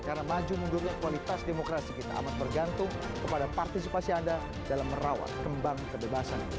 karena maju mundurnya kualitas demokrasi kita amat bergantung kepada partisipasi anda dalam merawat kembang kebebasan